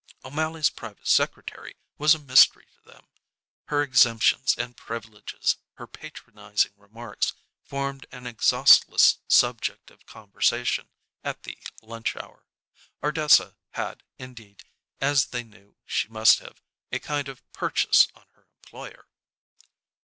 O'Mally's private secretary was a mystery to them. Her exemptions and privileges, her patronizing remarks, formed an exhaustless subject of conversation at the lunch hour. Ardessa had, indeed, as they knew she must have, a kind of "purchase" on her employer.